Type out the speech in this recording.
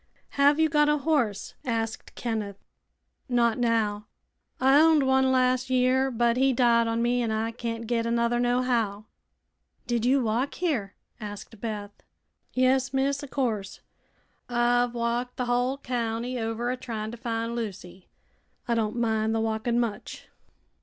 "Have you got a horse?" asked Kenneth. "Not now. I owned one las' year, but he died on me an' I can't get another nohow." "Did you walk here?" asked Beth. "Yes, miss; o' course. I've walked the hull county over a tryin' to find Lucy. I don' mind the walking much."